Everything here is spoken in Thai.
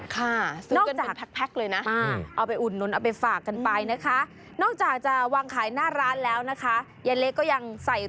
ค่าซื้อกันเป็นแพ็คเลยนะ